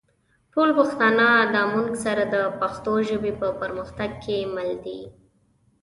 ټول پښتانه دا مونږ سره د پښتو ژبې په پرمختګ کې مل دي